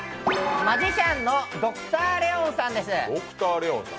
マジシャンのＤｒ．レオンさんです。